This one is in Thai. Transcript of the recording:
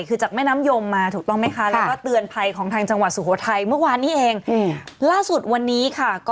คือจากแม่น้ำยงมาถูกต้องและตื่นภัยทางสุโขทัยเมื่อวานนี่